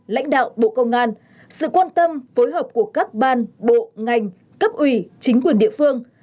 lãnh đạo bộ công an sự quan tâm phối hợp của các ban bộ ngành cấp ủy chính quyền địa phương